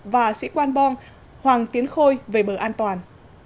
và sĩ quan bom hoàng tiến khôi về bờ an toàn